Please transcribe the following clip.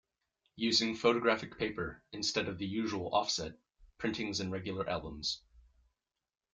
Using photographic paper, instead of the usual "off set", printings in regular albums.